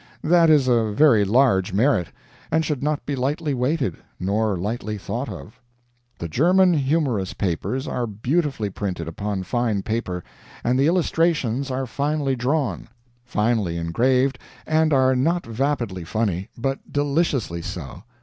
That is a very large merit, and should not be lightly weighted nor lightly thought of. The German humorous papers are beautifully printed upon fine paper, and the illustrations are finely drawn, finely engraved, and are not vapidly funny, but deliciously so.